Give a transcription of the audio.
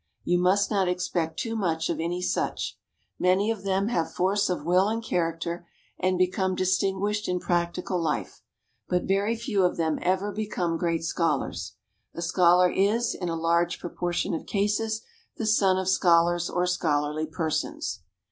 You must not expect too much of any such. Many of them have force of will and character, and become distinguished in practical life; but very few of them ever become great scholars. A scholar is, in a large proportion of cases, the son of scholars or scholarly persons.